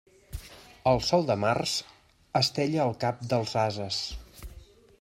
El sol de març estella el cap dels ases.